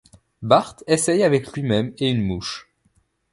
Bart essaie avec lui-même et une mouche.